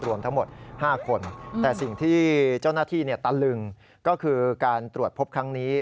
รวมทั้งหมด๕คนแต่สิ่งที่เจ้าหน้าที่ตะลึงก็คือการตรวจพบครั้งนี้